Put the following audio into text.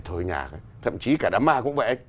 thậm chí cả đám ma cũng vậy